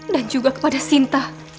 dan juga kepada sinta